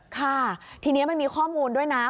ค่ะทีนี้มันมีข้อมูลด้วยนะ